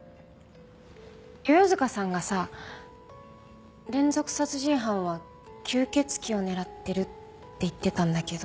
世々塚さんがさ連続殺人犯は吸血鬼を狙ってるって言ってたんだけど。